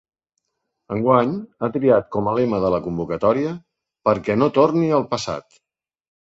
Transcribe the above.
Enguany ha triat com a lema de la convocatòria Perquè no torni el passat.